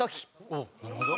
おっなるほど。